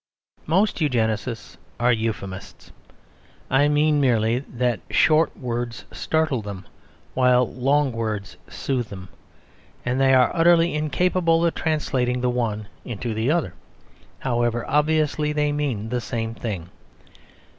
Most Eugenists are Euphemists. I mean merely that short words startle them, while long words soothe them. And they are utterly incapable of translating the one into the other, however obviously they mean the same thing.